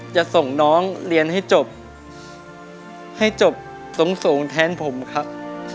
จะส่งน้องเรียนให้จบให้จบสูงแทนผมครับ